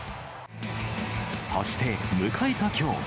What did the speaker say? そして、迎えたきょう。